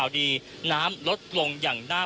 คุณทัศนาควดทองเลยค่ะ